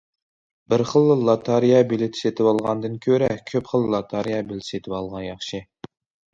بىر خىللا لاتارىيە بېلىتى سېتىۋالغاندىن كۆرە، كۆپ خىل لاتارىيە بېلىتى سېتىۋالغان ياخشى.